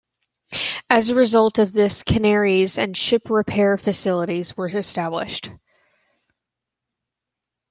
As a result of this canneries and ship repair facilities were established.